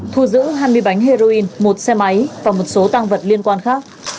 thu giữ hai mươi bánh heroin một xe máy và một số tăng vật liên quan khác